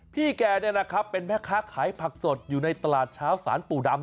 พี่แกเป็นแม่ค้าขายผักสดอยู่ในตลาดเช้าสารปู่ดำ